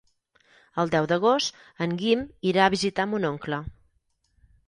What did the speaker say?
El deu d'agost en Guim irà a visitar mon oncle.